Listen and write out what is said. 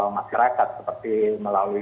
masyarakat seperti melalui